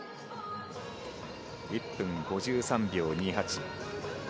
１分５３秒２８。